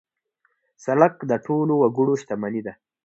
سړک د ټولو وګړو شتمني ده.